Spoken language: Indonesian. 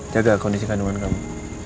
jaga kondisi kandungan kamu